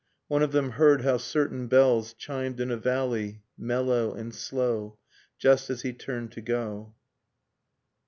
.. One of them heard how certain bells Chimed in a valley, mellow and slow% Just as he turned to go